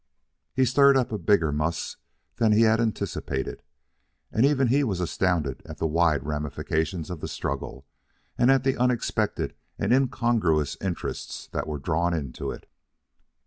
He stirred up a bigger muss than he had anticipated, and even he was astounded at the wide ramifications of the struggle and at the unexpected and incongruous interests that were drawn into it.